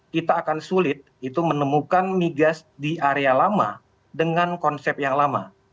kita akan sulit itu menemukan migas di area lama dengan konsep yang lama